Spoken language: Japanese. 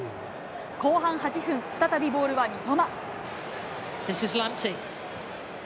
後半８分、再びボールは三笘。